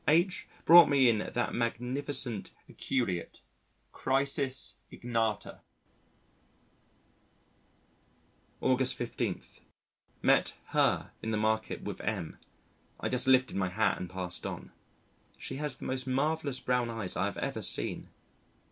H brought me in that magnificent aculeate Chrysis ignita. August 15. Met her in the market with M . I just lifted my hat and passed on. She has the most marvellous brown eyes I have ever seen.